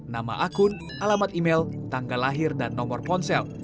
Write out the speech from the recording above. nama akun alamat email tanggal lahir dan nomor ponsel